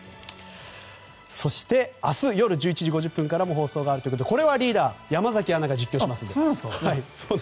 そして明日夜１１時５０分からも放送があるということでこれは山崎アナが実況しますので。